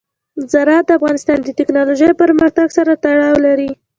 زراعت د افغانستان د تکنالوژۍ پرمختګ سره تړاو لري.